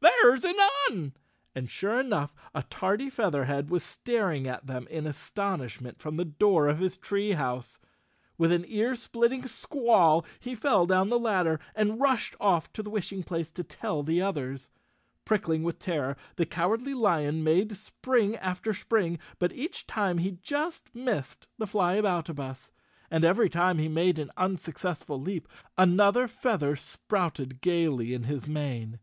"There's an Un." And sure enough, a tardy Featherhead was staring at them in astonish¬ ment from the door of his tree house. With an ear split 169 The Cowardly Lion of Qz _ ting squall, he fell down the ladder and rushed off to the wishing place to tell the others. | Prickling with terror, the Cowardly Lion made spring after spring, but each time he just missed the Flyaboutabus. And every time he made an unsuccessful leap, another feather sprouted gaily in his mane.